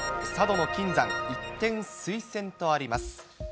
佐渡島の金山、一転推薦とあります。